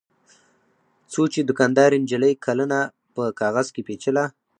څو چې دوکاندارې نجلۍ کلنه په کاغذ کې پېچله.